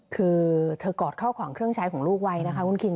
คือเธอกอดเข้าของเครื่องใช้ของลูกไว้นะคะคุณคิง